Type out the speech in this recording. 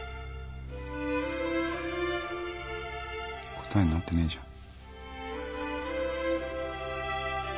答えになってねえじゃん。